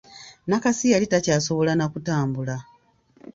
Nakasi yali takyasobola na kutambula.